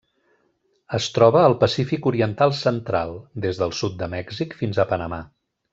Es troba al Pacífic oriental central: des del sud de Mèxic fins a Panamà.